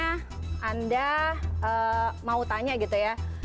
misalnya anda mau tanya gitu ya